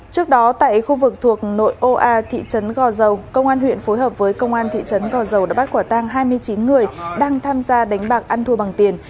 trước đó tại khu vực thuộc nội ô a thị trấn gò dầu công an huyện phối hợp với công an thị trấn gò dầu đã bắt quả tang hai mươi chín người đang tham gia đánh bạc ăn thua bằng tiền